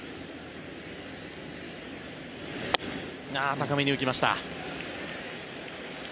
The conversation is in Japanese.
高めに浮きました。